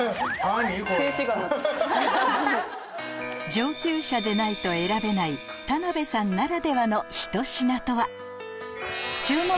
上級者でないと選べない田辺さんならではのひと品とは？